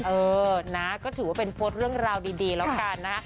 เออนะก็ถือว่าเป็นโพสต์เรื่องราวดีแล้วกันนะฮะ